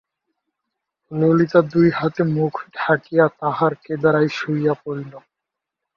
ললিতা দুই হাতে মুখ ঢাকিয়া তাহার কেদারায় শুইয়া পড়িল।